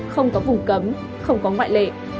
không có vùng cấm không có ngoại lệ